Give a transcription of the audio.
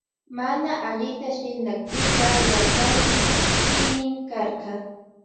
Mana allita shinanpika yachachin shinin karka.